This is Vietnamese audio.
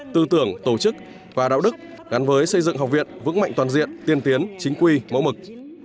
tư tưởng tổ chức và đạo đức gắn với xây dựng học viện vững mạnh toàn diện tiên tiến chính quy mẫu mực